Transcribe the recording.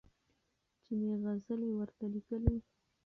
چي مي غزلي ورته لیکلې